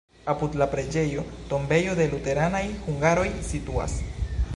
Apud la preĝejo tombejo de luteranaj hungaroj situas.